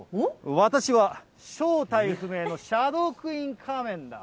私は正体不明のシャドークイーン仮面だ。